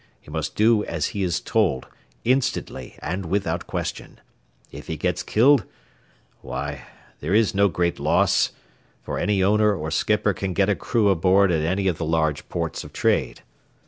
He must do as he is told, instantly and without question; if he gets killed why, there is no great loss, for any owner or skipper can get a crew aboard at any of the large ports of trade.